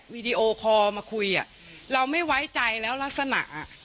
วีดีโอคอลมาคุยอ่ะเราไม่ไว้ใจแล้วลักษณะอ่ะ